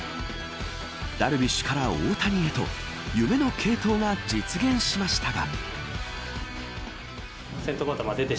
ダルビッシュから大谷へと夢の継投が実現しましたが。